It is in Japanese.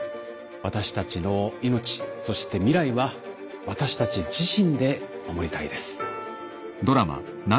私たちの命そして未来は私たち自身で守りたいです。